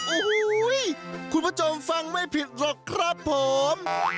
โอ้โหคุณผู้ชมฟังไม่ผิดหรอกครับผม